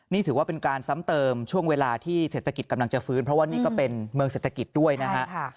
นี่ถือว่าเป็นการซ้ำเติมช่วงเวลาที่เศรษฐกิจกำลังจะฟื้นเพราะว่านี่ก็เป็นเมืองเศรษฐกิจด้วยนะฮะ